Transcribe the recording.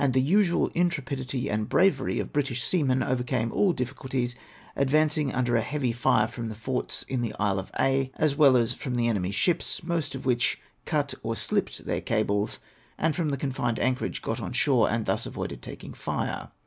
the usual intrepidity and bravery of British seamen overcame all difficulties, advancing under a heavy fire from the forts in the Isle of Aix, as well as from the enemy's ships, most of which cut or slipt their cables, and from the confined an chorage got on shore, and thus avoided taking fire.